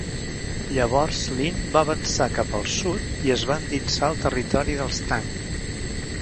Llavors Lin va avançar cap al sud i es va endinsar al territori dels Tang.